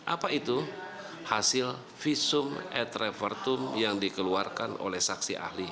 apa itu hasil visum ed repertum yang dikeluarkan oleh saksi ahli